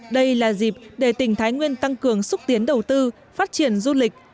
đây là dịp để tỉnh thái nguyên tăng cường xúc tiến đầu tư phát triển du lịch